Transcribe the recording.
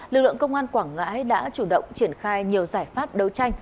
lực lượng công an quảng ngãi đã chủ động triển khai nhiều giải pháp đấu tranh